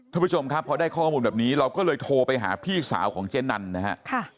ท่านผู้ชมครับพอได้ข้อมูลแบบนี้เราก็เลยโทรไปหาพี่สาวของเจ๊นันนะฮะ